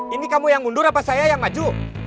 ini kamu yang mundur apa saya yang maju